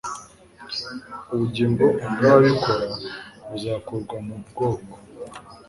ubugingo bw ababikora buzakurwa mu bwoko